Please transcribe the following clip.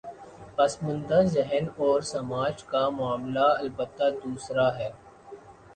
پس ماندہ ذہن اور سماج کا معاملہ البتہ دوسرا ہے۔